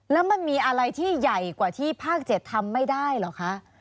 แล้วมันมีอะไรที่ใหญ่กว่าที่ภาค๗ทำไม่ได้เหรอคะ